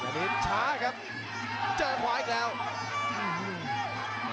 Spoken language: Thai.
ประโยชน์ทอตอร์จานแสนชัยกับยานิลลาลีนี่ครับ